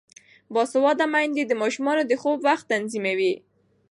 باسواده میندې د ماشومانو د خوب وخت تنظیموي.